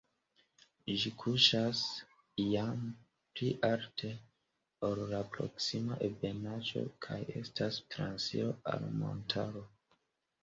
Ĝi kuŝas jam pli alte, ol la proksima ebenaĵo kaj estas transiro al montaro.